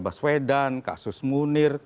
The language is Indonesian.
baswedan kasus munir